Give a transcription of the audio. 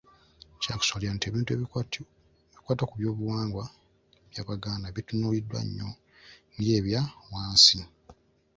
Kya kusaalirwa nti ebintu ebikwata ku Byobuwangwa by’Abaganda bitunuuliddwa nnyo ng’ebya wansi!